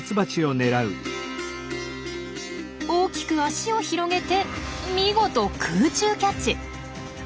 大きく足を広げて見事空中キャッチ！